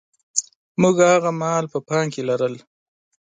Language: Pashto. موږ هاغه مهال په پام کې لرل.